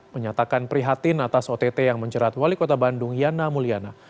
menyatakan prihatin atas ott yang menjerat wali kota bandung yana mulyana